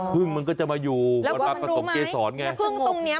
เพิ่งมันก็จะมาอยู่ไฟบรริสองเกษรไหม